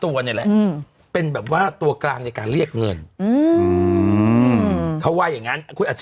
อืมก็แบบว่าเอาจริงจริงแม่ก็จำจร